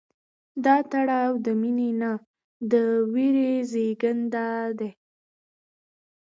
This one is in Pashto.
دا تړاو د مینې نه، د ویرې زېږنده دی.